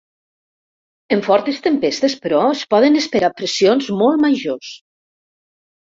En fortes tempestes, però, es poden esperar pressions molt majors.